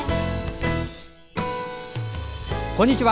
こんにちは。